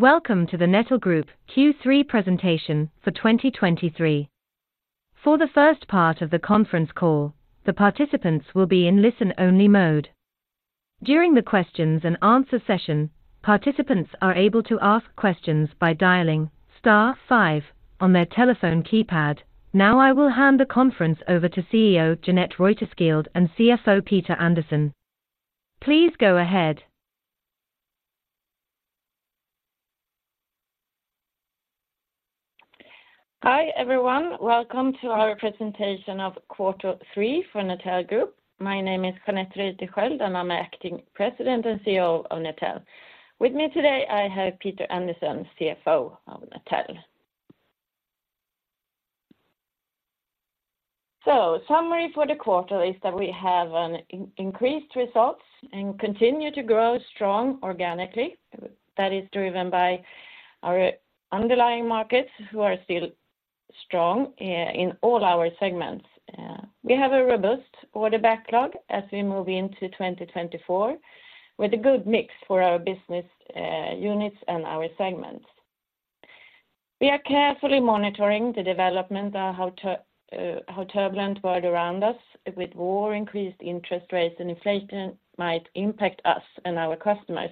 Welcome to the Netel Group Q3 presentation for 2023. For the first part of the conference call, the participants will be in listen-only mode. During the questions and answer session, participants are able to ask questions by dialing star five on their telephone keypad. Now I will hand the conference over to CEO Jeanette Reuterskiöld and CFO Peter Andersson. Please go ahead. Hi, everyone. Welcome to our presentation of quarter three for Netel Group. My name is Jeanette Reuterskiöld, and I'm acting President and CEO of Netel. With me today, I have Peter Andersson, CFO of Netel. Summary for the quarter is that we have an increased results and continue to grow strong organically. That is driven by our underlying markets, who are still strong in all our segments. We have a robust order backlog as we move into 2024, with a good mix for our business units and our segments. We are carefully monitoring the development of how turbulent world around us with war, increased interest rates, and inflation might impact us and our customers.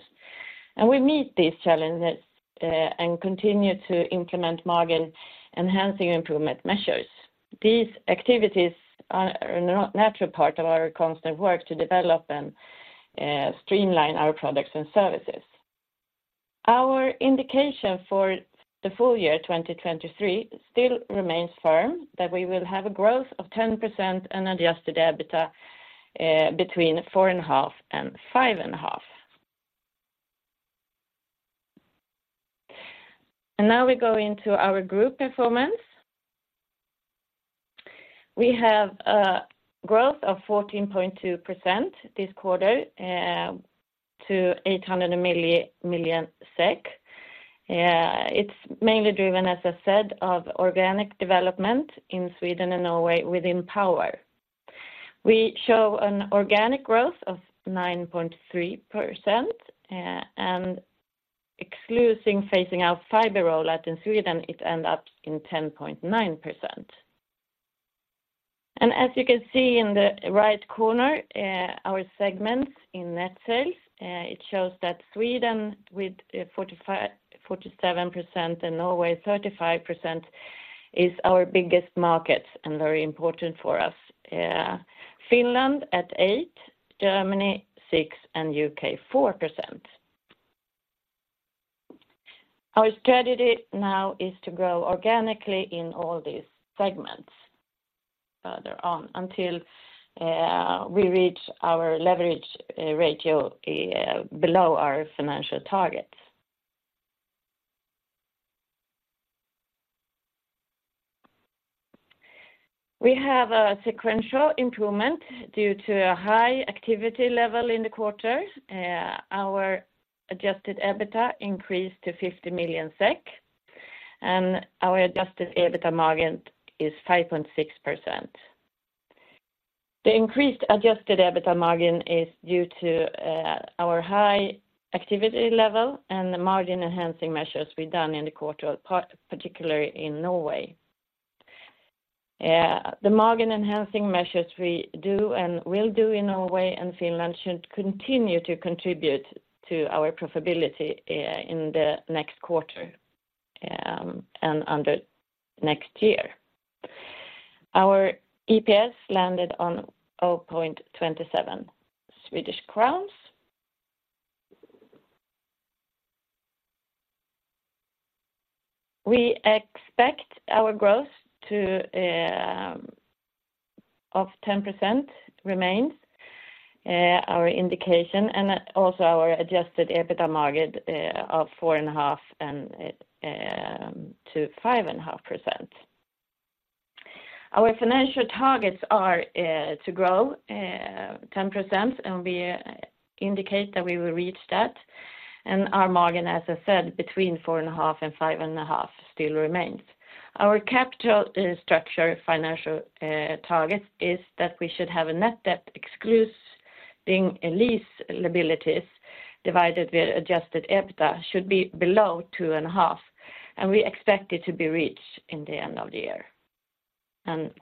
We meet these challenges and continue to implement margin-enhancing improvement measures. These activities are a natural part of our constant work to develop and streamline our products and services. Our indication for the full year 2023 still remains firm, that we will have a growth of 10% and adjusted EBITDA between 4.5% and 5.5%. Now we go into our group performance. We have a growth of 14.2% this quarter to 800 million SEK. It's mainly driven, as I said, of organic development in Sweden and Norway within Power. We show an organic growth of 9.3%, and excluding phasing out fiber rollout in Sweden, it end up in 10.9%. As you can see in the right corner, our segments in net sales, it shows that Sweden, with 47% and Norway 35%, is our biggest markets and very important for us. Finland at 8%, Germany 6%, and U.K. 4%. Our strategy now is to grow organically in all these segments further on until we reach our leverage ratio below our financial targets. We have a sequential improvement due to a high activity level in the quarter. Our adjusted EBITDA increased to 50 million SEK, and our adjusted EBITDA margin is 5.6%. The increased adjusted EBITDA margin is due to our high activity level and the margin-enhancing measures we've done in the quarter, particularly in Norway. The margin-enhancing measures we do and will do in Norway and Finland should continue to contribute to our profitability in the next quarter and under next year. Our EPS landed on 0.27 SEK. We expect our growth to of 10% remains our indication, and also our adjusted EBITDA margin of 4.5%-5.5%. Our financial targets are to grow 10%, and we indicate that we will reach that. And our margin, as I said, between 4.5% and 5.5%, still remains. Our capital structure financial target is that we should have a net debt exclusive lease liabilities, divided with adjusted EBITDA, should be below 2.5, and we expect it to be reached in the end of the year.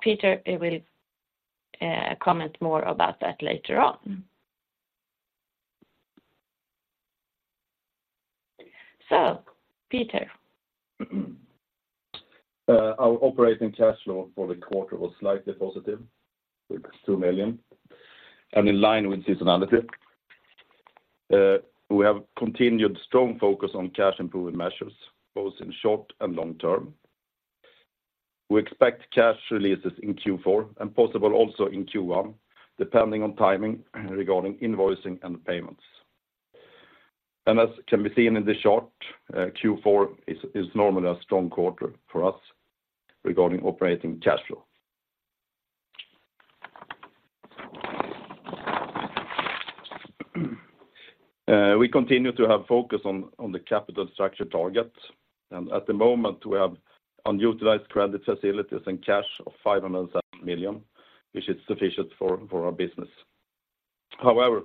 Peter will comment more about that later on. So, Peter. Our operating cash flow for the quarter was slightly positive, with 2 million, and in line with seasonality. We have continued strong focus on cash improvement measures, both in short and long term. We expect cash releases in Q4 and possible also in Q1, depending on timing regarding invoicing and payments. And as can be seen in this chart, Q4 is normally a strong quarter for us regarding operating cash flow. We continue to have focus on the capital structure targets, and at the moment, we have unutilized credit facilities and cash of 507 million, which is sufficient for our business. However,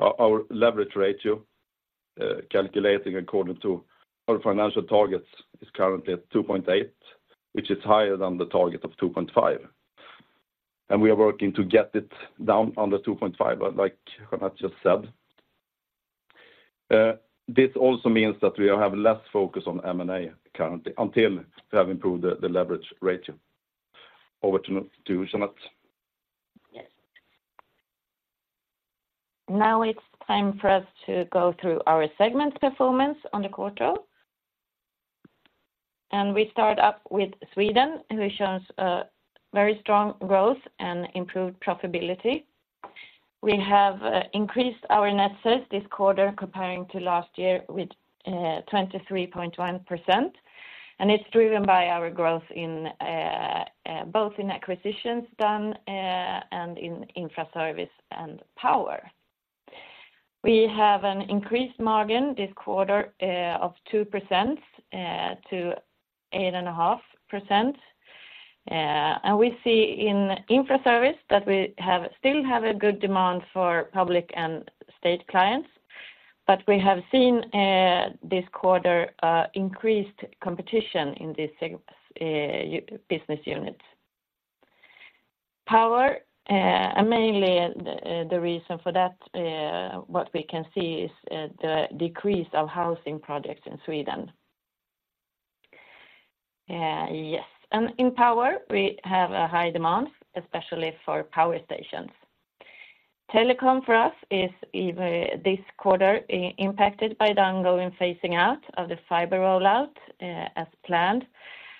our leverage ratio, calculating according to our financial targets, is currently at 2.8, which is higher than the target of 2.5. We are working to get it down under 2.5, like Jeanette just said. This also means that we have less focus on M&A currently, until we have improved the leverage ratio. Over to Jeanette. Yes. Now it's time for us to go through our segment performance on the quarter. We start up with Sweden, which shows a very strong growth and improved profitability. We have increased our net sales this quarter comparing to last year with 23.1%, and it's driven by our growth in both in acquisitions done and in Infraservices and Power. We have an increased margin this quarter of 2%-8.5%. And we see in Infraservices that we still have a good demand for public and state clients, but we have seen this quarter increased competition in this business unit. Power, and mainly the reason for that, what we can see is the decrease of housing projects in Sweden. Yes, and in Power, we have a high demand, especially for power stations. Telecom for us is even this quarter impacted by the ongoing phasing out of the fiber rollout, as planned.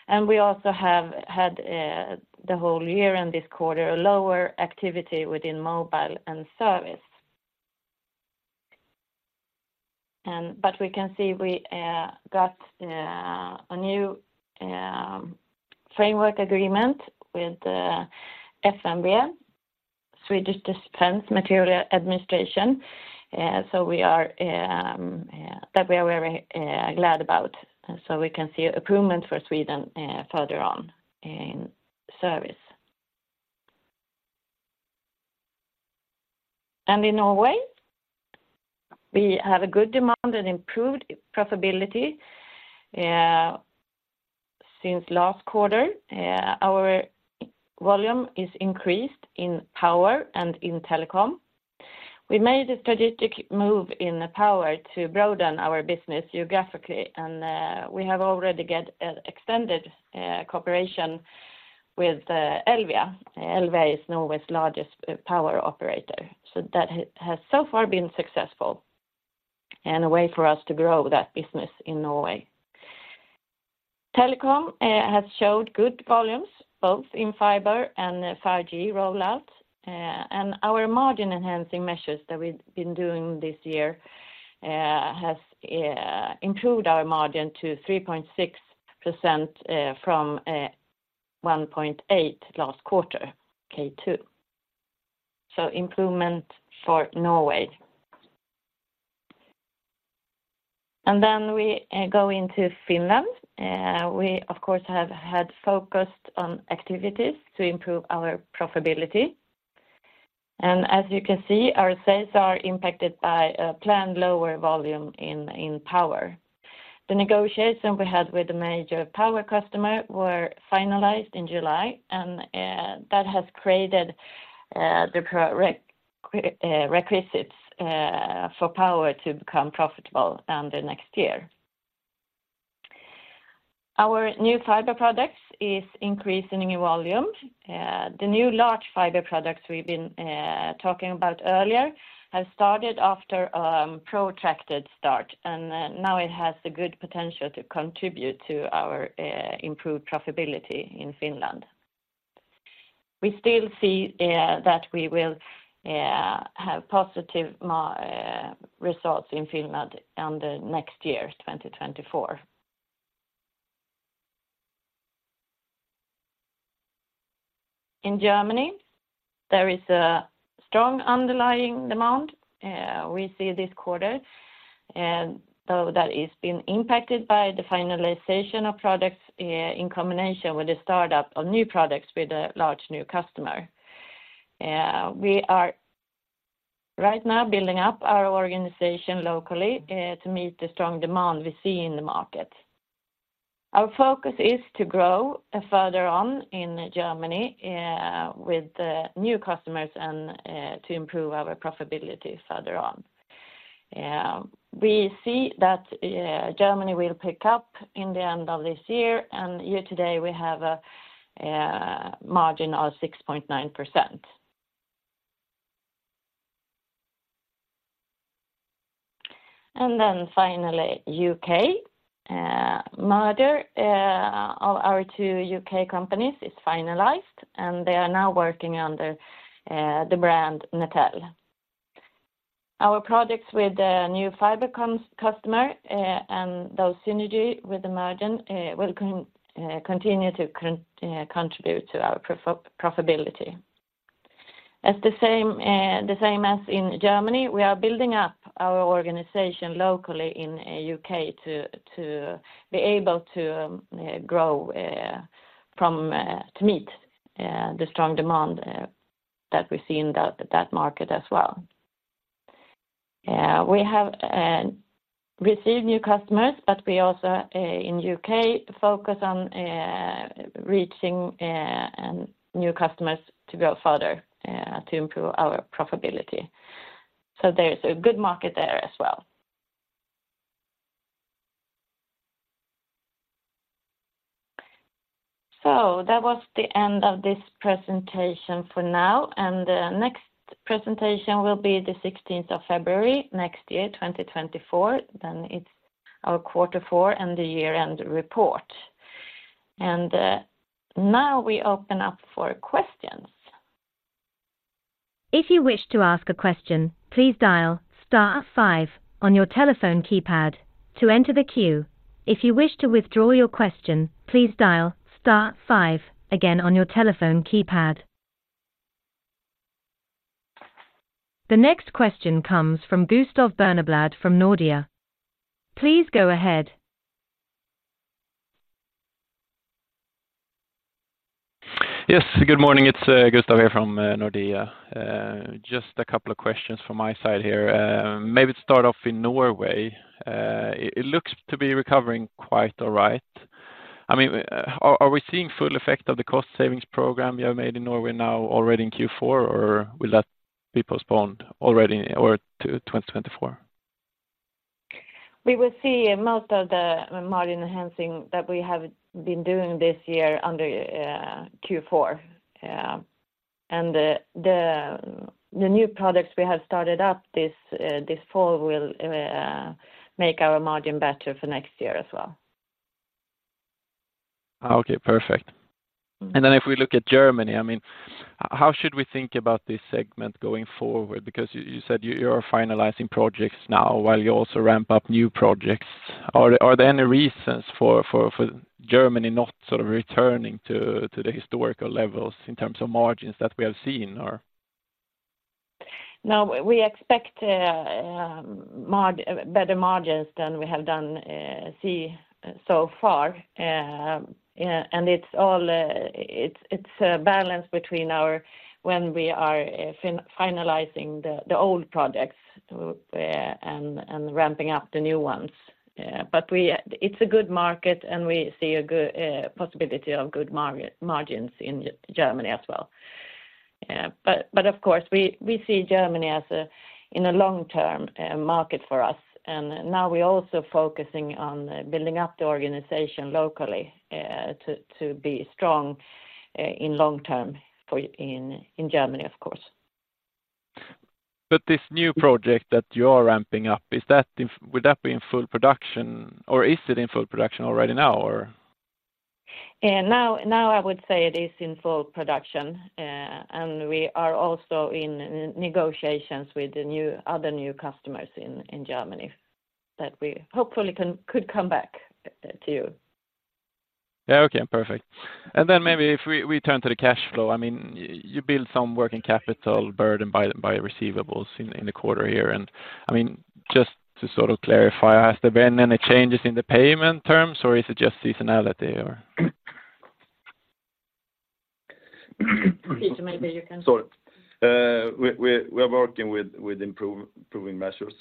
And we also have had the whole year and this quarter, a lower activity within Mobile and Service. And but we can see we got a new framework agreement with FMV, Swedish Defence Materiel Administration. So we are, that we are very glad about, so we can see improvement for Sweden, further on in Service. And in Norway, we have a good demand and improved profitability, since last quarter. Our volume is increased in Power and in Telecom. We made a strategic move in Power to broaden our business geographically, and we have already get extended cooperation with Elvia. Elvia is Norway's largest power operator, so that has so far been successful and a way for us to grow that business in Norway. Telecom has showed good volumes, both in fiber and 5G rollout, and our margin-enhancing measures that we've been doing this year has improved our margin to 3.6%, from 1.8 last quarter, Q2. So improvement for Norway. And then we go into Finland. We, of course, have had focused on activities to improve our profitability. And as you can see, our sales are impacted by a planned lower volume in Power. The negotiation we had with the major power customer were finalized in July, and that has created the prerequisites for Power to become profitable in the next year. Our new fiber products is increasing in volume. The new large fiber products we've been talking about earlier have started after a protracted start, and now it has the good potential to contribute to our improved profitability in Finland. We still see that we will have positive margin results in Finland in the next year, 2024. In Germany, there is a strong underlying demand we see this quarter, and though that has been impacted by the finalization of products in combination with the startup of new products with a large new customer. We are right now building up our organization locally to meet the strong demand we see in the market. Our focus is to grow further on in Germany with new customers and to improve our profitability further on. We see that Germany will pick up in the end of this year, and year to date, we have a margin of 6.9%. And then finally, U.K. Merger of our two U.K. companies is finalized, and they are now working under the brand Netel. Our projects with a new fiber customer, and those synergies with the margin will continue to contribute to our profitability. And the same as in Germany, we are building up our organization locally in U.K. to be able to grow to meet the strong demand that we see in that market as well. Yeah, we have received new customers, but we also in U.K. focus on reaching new customers to go further to improve our profitability. So there is a good market there as well. So that was the end of this presentation for now, and the next presentation will be February 16th, 2024. Then it's our quarter four and the year-end report. Now we open up for questions. If you wish to ask a question, please dial star five on your telephone keypad to enter the queue. If you wish to withdraw your question, please dial star five again on your telephone keypad. The next question comes from Gustav Berneblad from Nordea. Please go ahead. Yes, good morning, it's Gustav here from Nordea. Just a couple of questions from my side here. Maybe to start off in Norway, it looks to be recovering quite all right. I mean, are we seeing full effect of the cost savings program you have made in Norway now already in Q4, or will that be postponed already or to 2024? We will see most of the margin enhancing that we have been doing this year under Q4. And the new products we have started up this fall will make our margin better for next year as well. Okay, perfect. And then if we look at Germany, I mean, how should we think about this segment going forward? Because you said you're finalizing projects now while you also ramp up new projects. Are there any reasons for Germany not sort of returning to the historical levels in terms of margins that we have seen, or? No, we expect better margins than we have done so far. And it's a balance between finalizing the old projects and ramping up the new ones. But it's a good market, and we see a good possibility of good margins in Germany as well. But of course, we see Germany as a long-term market for us, and now we're also focusing on building up the organization locally to be strong in long term in Germany, of course. But this new project that you are ramping up, will that be in full production, or is it in full production already now, or? Now, now I would say it is in full production, and we are also in negotiations with the new, other new customers in, in Germany that we hopefully can, could come back to you. Yeah, okay, perfect. And then maybe if we turn to the cash flow, I mean, you build some working capital burden by receivables in the quarter here, and I mean, just to sort of clarify, has there been any changes in the payment terms, or is it just seasonality, or? Peter, maybe you can- Sorry. We are working with improving measures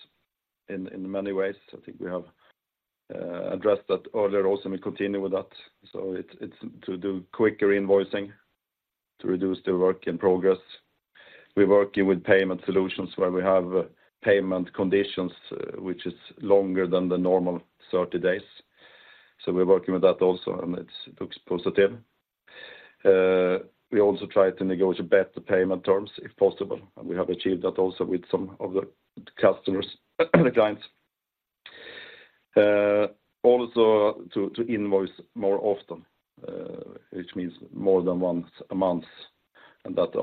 in many ways. I think we have addressed that earlier also, and we continue with that. So it's to do quicker invoicing to reduce the work in progress. We're working with payment solutions where we have payment conditions, which is longer than the normal 30 days. So we're working with that also, and it looks positive. We also try to negotiate better payment terms, if possible, and we have achieved that also with some of the customers, the clients. Also to invoice more often, which means more than once a month, and that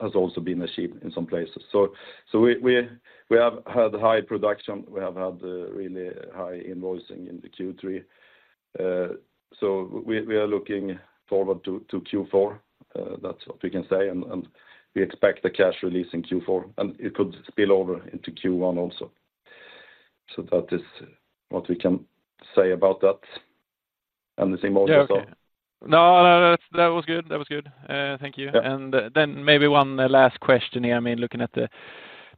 has also been achieved in some places. So we have had high production. We have had really high invoicing in the Q3. So we are looking forward to Q4. That's what we can say, and we expect the cash release in Q4, and it could spill over into Q1 also. So that is what we can say about that. And the same also- Yeah, okay. No, no, that, that was good. That was good. Thank you. Yeah. And then maybe one last question here. I mean, looking at the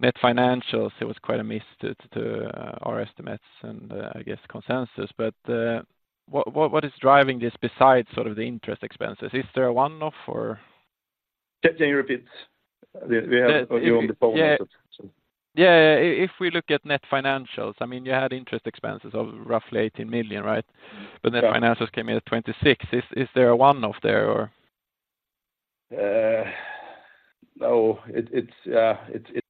net financials, it was quite a miss to our estimates and, I guess consensus. But, what is driving this besides sort of the interest expenses? Is there a one-off or? Can you repeat? We have you on the phone also, so. Yeah. Yeah, if we look at net financials, I mean, you had interest expenses of roughly 18 million, right? Yeah. Net financials came in at 26 million. Is there a one-off there or? No, it's,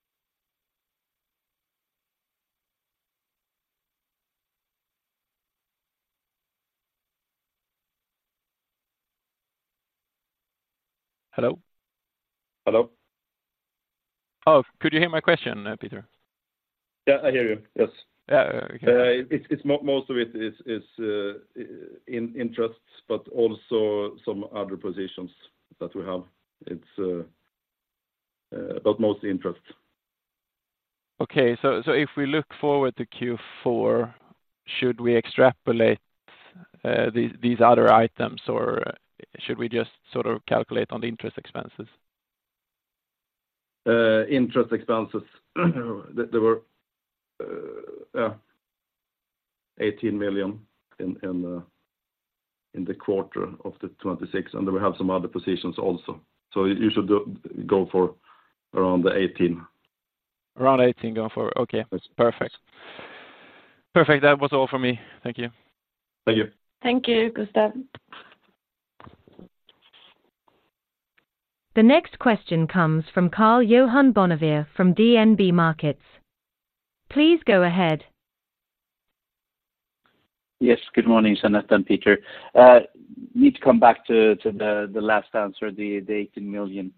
it's- Hello? Hello. Oh, could you hear my question, Peter? Yeah, I hear you. Yes. Yeah, okay. It's most of it is in interests, but also some other positions that we have. It's but mostly interest. Okay. So if we look forward to Q4, should we extrapolate these other items, or should we just sort of calculate on the interest expenses? Interest expenses, they were 18 million in the quarter of the 26, and then we have some other positions also. So you should go for around the 18. Around 18, go for. Okay, that's perfect. Perfect, that was all for me. Thank you. Thank you. Thank you, Gustav. The next question comes from Karl-Johan Bonnevier from DNB Markets. Please go ahead. Yes, good morning, Jeanette and Peter. Need to come back to the last answer, the 18 million.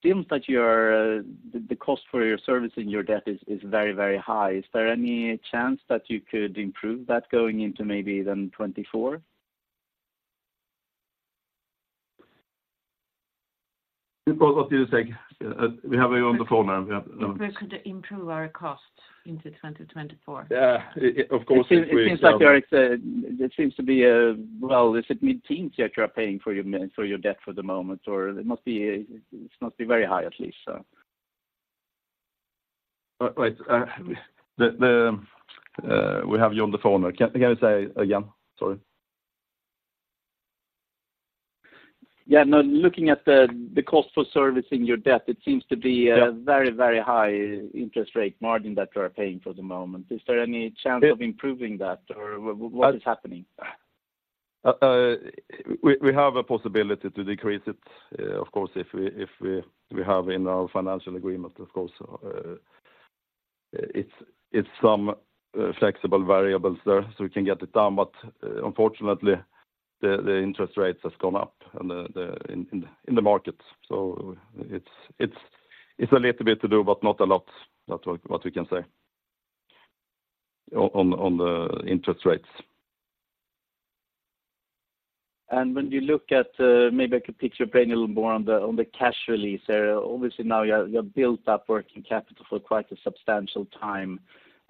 Seems that you're the cost for your service and your debt is very, very high. Is there any chance that you could improve that going into maybe then 2024? Because what do you think? We have you on the phone now. We have- If we could improve our costs into 2024. Yeah, of course, if we- It seems like there seems to be a, well, is it mid-teens that you are paying for your debt for the moment, or it must be very high, at least, so? We have you on the phone now. Can you say again? Sorry. Yeah, no, looking at the cost for servicing your debt, it seems to be a very, very high interest rate margin that you are paying for the moment. Is there any chance of improving that, or what is happening? We have a possibility to decrease it. Of course, if we have in our financial agreement, of course, it's some flexible variables there, so we can get it down. But unfortunately, the interest rates has gone up on the in the market. So it's a little bit to do, but not a lot. That's what we can say on the interest rates. And when you look at, maybe I could picture paying a little more on the cash release there. Obviously, now, you have built up working capital for quite a substantial time.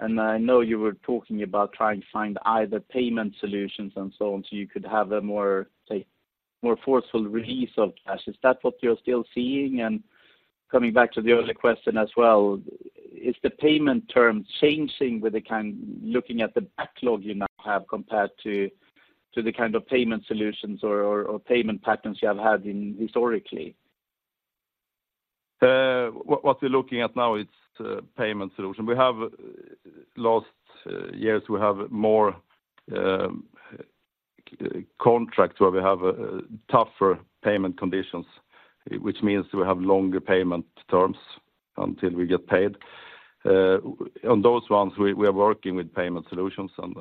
And I know you were talking about trying to find either payment solutions and so on, so you could have a more, say, more forceful release of cash. Is that what you're still seeing? And coming back to the other question as well, is the payment term changing with the kind, looking at the backlog you now have compared to the kind of payment solutions or payment patterns you have had historically? What we're looking at now is the payment solution. We have last years we have more contracts where we have tougher payment conditions, which means we have longer payment terms until we get paid. On those ones, we are working with payment solutions, and,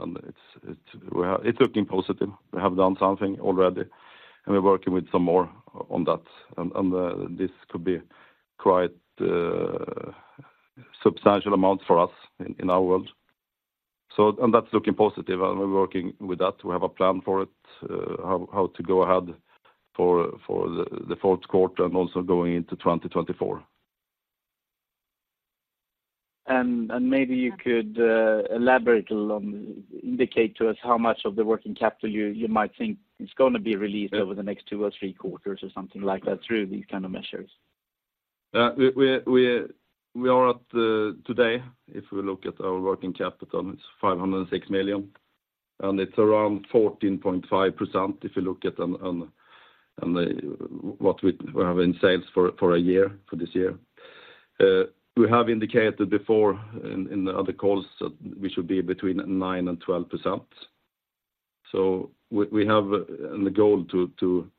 well, it's looking positive. We have done something already, and we're working with some more on that. This could be quite substantial amount for us in our world. That's looking positive, and we're working with that. We have a plan for it, how to go ahead for the fourth quarter and also going into 2024. And maybe you could elaborate a little on, indicate to us how much of the working capital you might think is going to be released over the next two or three quarters or something like that, through these kind of measures. Today, if we look at our working capital, it's 506 million, and it's around 14.5%, if you look at on the what we have in sales for a year this year. We have indicated before in the other calls that we should be between 9% and 12%. So we have, and the goal to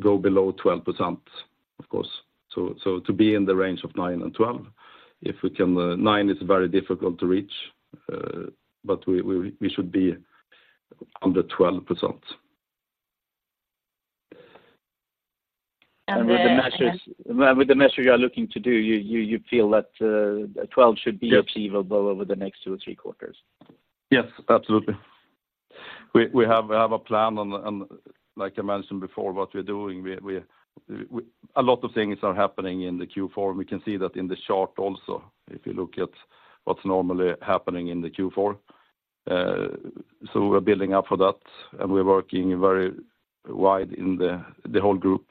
go below 12%, of course, so to be in the range of 9% and 12%. If we can, 9% is very difficult to reach, but we should be under 12%. And the- With the measures you are looking to do, you feel that 12 should be achievable over the next two or three quarters? Yes, absolutely. We have a plan, and like I mentioned before, what we're doing. A lot of things are happening in the Q4, and we can see that in the chart also, if you look at what's normally happening in the Q4. So we're building up for that, and we're working very wide in the whole group.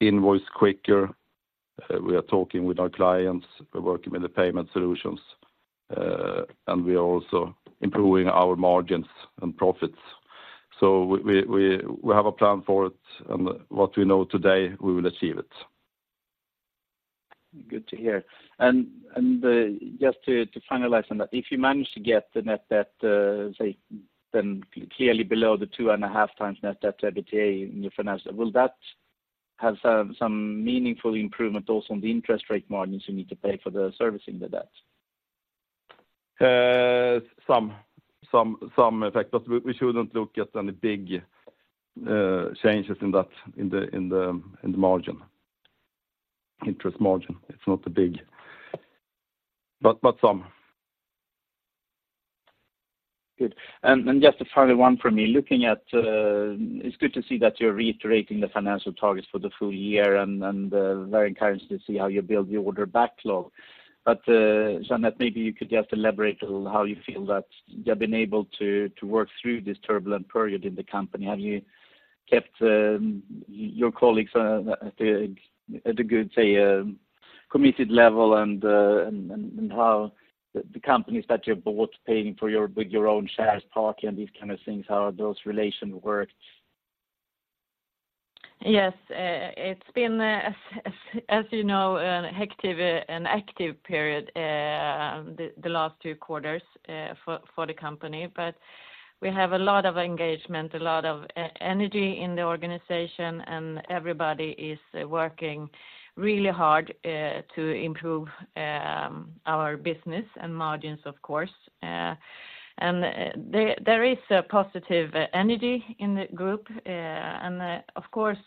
Invoice quicker, we are talking with our clients, we're working with the payment solutions, and we are also improving our margins and profits. So we have a plan for it, and what we know today, we will achieve it. Good to hear. And just to finalize on that, if you manage to get the net debt, say, then clearly below the 2.5x net debt to EBITDA in your financial, will that have some meaningful improvement also on the interest rate margins you need to pay for servicing the debt? Some effect, but we shouldn't look at any big changes in that, in the interest margin. It's not big, but some. Good. Just a final one for me. Looking at, it's good to see that you're reiterating the financial targets for the full year, and very encouraged to see how you build the order backlog. But, Jeanette, maybe you could just elaborate on how you feel that you have been able to work through this turbulent period in the company. Have you kept your colleagues at a good, say, committed level, and how the companies that you bought paying for your, with your own shares, talking and these kind of things, how are those relations worked? Yes, as you know, a hectic and active period, the last two quarters, for the company. But we have a lot of engagement, a lot of energy in the organization, and everybody is working really hard to improve our business and margins, of course. And there is a positive energy in the group, and, of course,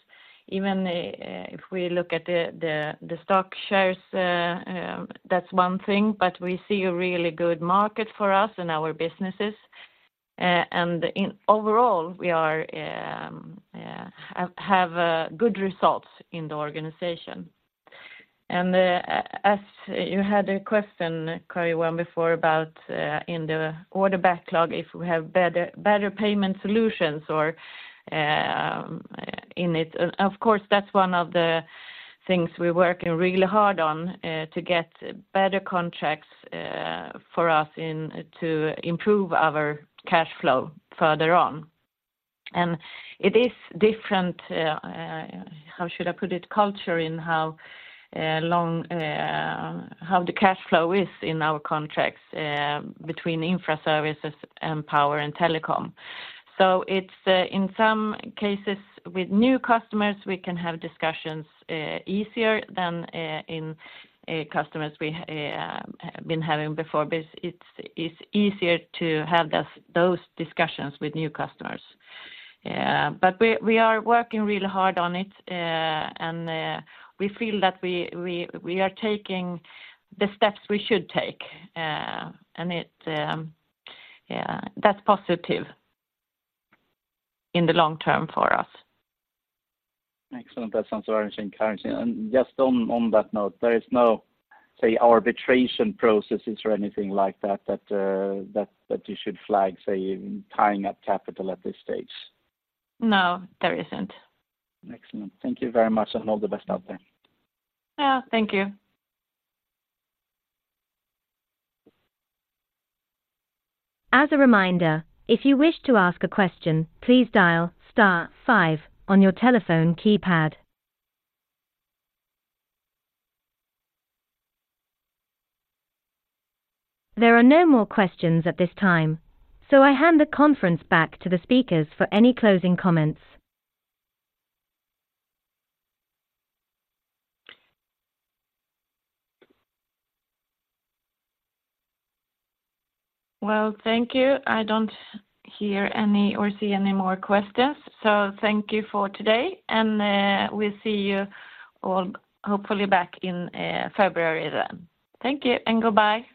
even if we look at the stock shares, that's one thing, but we see a really good market for us and our businesses. And overall, we have good results in the organization. And as you had a question, Karl-Johan, before about in the order backlog, if we have better payment solutions or in it. Of course, that's one of the things we're working really hard on, to get better contracts, for us in to improve our cash flow further on. And it is different, how should I put it? Culture in how long the cash flow is in our contracts, between Infraservices and Power and Telecom. So it's, in some cases, with new customers, we can have discussions easier than in customers we've been having before, but it's easier to have those discussions with new customers. But we are working really hard on it, and we feel that we are taking the steps we should take, and yeah, that's positive in the long term for us. Excellent. That sounds very encouraging. And just on that note, there is no, say, arbitration processes or anything like that you should flag, say, in tying up capital at this stage? No, there isn't. Excellent. Thank you very much, and all the best out there. Yeah, thank you. As a reminder, if you wish to ask a question, please dial star five on your telephone keypad. There are no more questions at this time, so I hand the conference back to the speakers for any closing comments. Well, thank you. I don't hear any or see any more questions, so thank you for today, and we'll see you all, hopefully back in February then. Thank you, and goodbye!